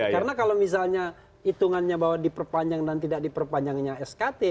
karena kalau misalnya itungannya bahwa diperpanjang dan tidak diperpanjangnya skt